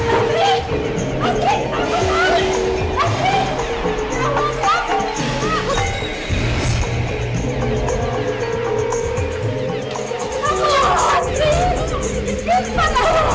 astrid astrid tanggung jawab